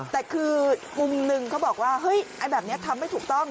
แต่คือมุมหนึ่งเขาบอกว่าเฮ้ยไอ้แบบนี้ทำไม่ถูกต้อง